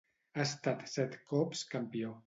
Ha estat set cops campió.